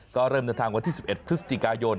ก็เริ่มเดินทางวันที่๑๑พฤศจิกายน